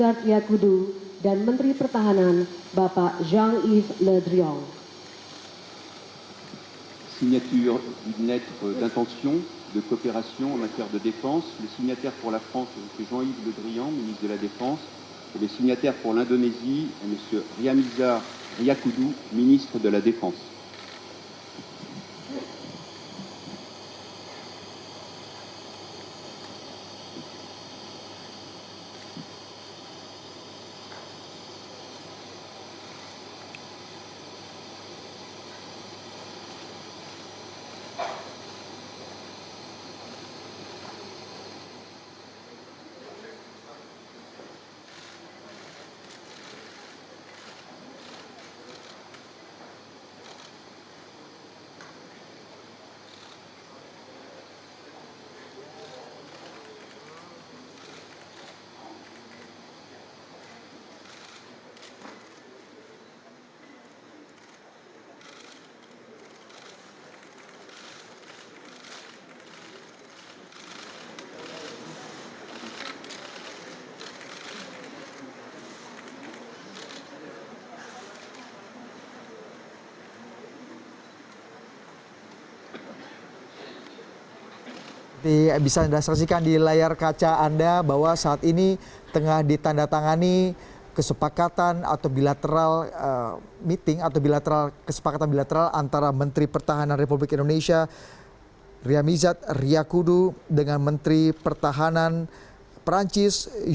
ini adalah perancis yang telah diperkenalkan oleh presiden jokowi dan presiden perancis